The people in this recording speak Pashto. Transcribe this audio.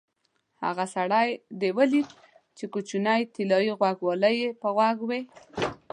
هغه سړی دې ولید چې کوچنۍ طلایي غوږوالۍ یې په غوږ وې؟